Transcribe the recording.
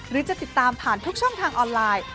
หรือจะติดตามผ่านทุกช่องทางออนไลน์